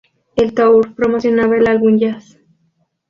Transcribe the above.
El Tour promocionaba el álbum Jazz.